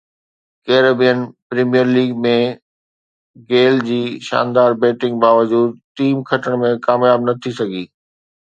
Caribbean premier league ۾ Gayle جي شاندار batting باوجود ٽيم کٽڻ ۾ ڪامياب نه ٿي سگهي